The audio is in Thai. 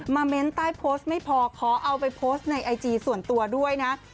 เม้นใต้โพสต์ไม่พอขอเอาไปโพสต์ในไอจีส่วนตัวด้วยนะ